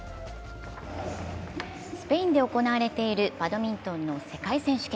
スペインで行われているバドミントンの世界選手権。